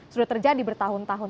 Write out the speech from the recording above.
sudah terjadi bertahun tahun